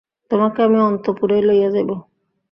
তােমাকে আমি অন্তঃপুরেই লইয়া যাইব।